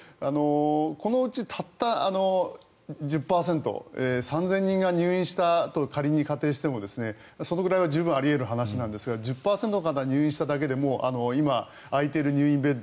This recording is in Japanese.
このうち、たった１０％３０００人が入院したと仮に仮定してもそのぐらいは十分あり得る話なんですが１０％が入院しただけでも今、空いている入院ベッド